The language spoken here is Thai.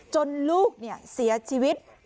จนลูกเศร้าชีวิต